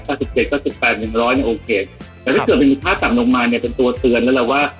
๓๗๑๘เป็น๑๐๐โอเคแต่ถ้าเกิดเป็นค่าต่ำลงมาเนี่ยเป็นตัวเซียนแล้วเราว่า